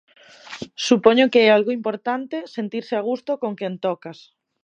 Supoño que é algo importante, sentirse a gusto con quen tocas.